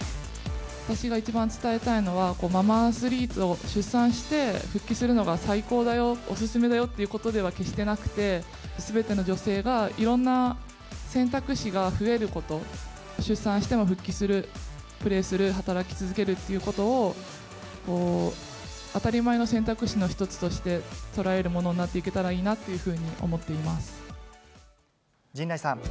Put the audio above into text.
私が一番伝えたいのはママアスリート、出産して復帰するのが最高だよ、お勧めだよっていうことでは、決してなくて、すべての女性が、いろんな選択肢が増えること、出産しても復帰する、プレーする、働き続けるということを、当たり前の選択肢の一つとして、捉えるものになっていけたらいい陣内さん。